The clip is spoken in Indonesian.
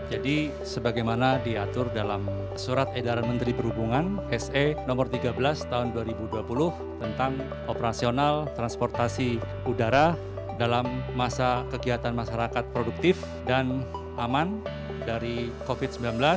jadi sebagaimana diatur dalam surat edaran menteri perhubungan se no tiga belas tahun dua ribu dua puluh tentang operasional transportasi udara dalam masa kegiatan masyarakat produktif dan aman dari covid sembilan belas